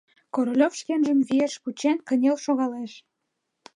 Королёв шкенжым виеш кучен кынел шогалеш.